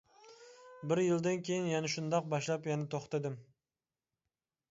بىر يىلدىن كېيىن يەنە شۇنداق باشلاپ يەنە توختىدىم.